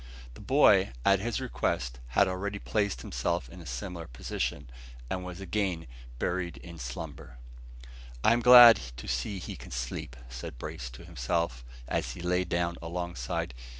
The boy, at his request, had already placed himself in a similar position, and was again buried in slumber. "I'm glad to see he can sleep," said Brace to himself, as he lay down alongside.